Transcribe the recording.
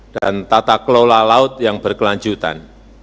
dan tata kelola laut yang berkelanjutan